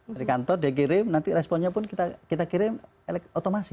dari kantor dia kirim nanti responnya pun kita kirim otomasi